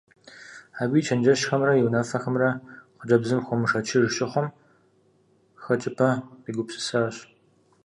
Абы и чэнджэщхэмрэ и унафэхэмрэ хъыджэбзым хуэмышэчыж щыхъум, хэкӀыпӀэ къигупсысащ.